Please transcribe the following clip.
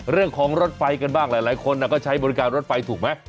รถไฟกันบ้างหลายคนก็ใช้บริการรถไฟถูกไหม